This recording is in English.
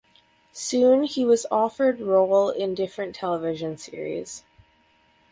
Soon he was offered role in different television series.